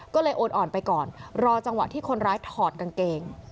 ก็เลยโอนอ่อนไปก่อนรอจังหวะที่คนร้ายถอดกางเกง